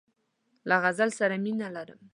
له غزل سره مینه لرم.